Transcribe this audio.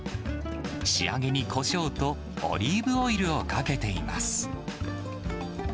仕上げにこしょうとオリーブオイルをかけています。